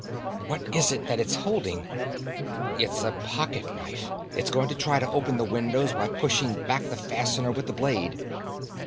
"What is it that it's holding?" "It's a pocket knife. It's going to try to open the window by pushing back the fastener with the blade."